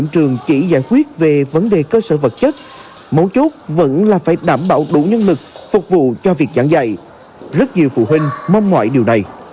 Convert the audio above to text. trường tư thì mình phải cố gắng rất là nhiều